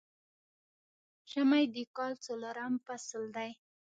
ژمی د کال څلورم فصل دی